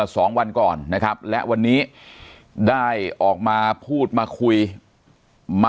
สวัสดีครับทุกผู้ชม